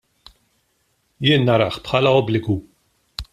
Jien narah bħala obbligu.